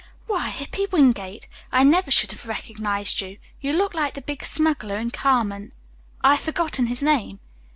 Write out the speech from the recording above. "Why, Hippy Wingate, I never should have recognized you. You look like the big smuggler in 'Carmen.' I have forgotten his name."